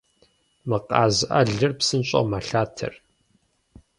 Мы къаз ӏэлыр псынщӏэу мэлъатэр.